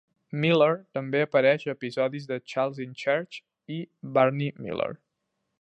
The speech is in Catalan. Miller també apareix a episodis de "Charles in Charge" i "Barney Miller".